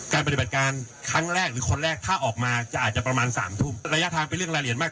ปฏิบัติการครั้งแรกหรือคนแรกถ้าออกมาจะอาจจะประมาณสามทุ่มระยะทางเป็นเรื่องรายละเอียดมาก